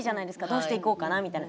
どうしていこうかなみたいな。